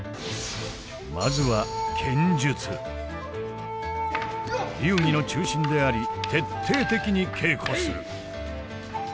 まずは流儀の中心であり徹底的に稽古する。